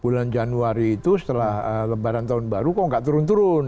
bulan januari itu setelah lebaran tahun baru kok nggak turun turun